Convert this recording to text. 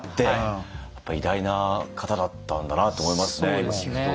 やっぱ偉大な方だったんだなと思いますね聞くと。